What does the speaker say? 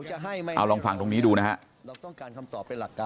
เอาลองฟังตรงนี้ดูนะฮะ